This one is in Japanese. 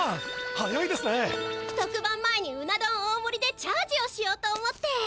特番前にうな丼大もりでチャージをしようと思って。